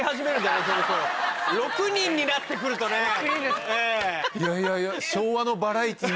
６人になって来るとねええ。